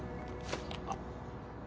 あっ。